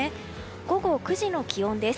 午後９時の気温です。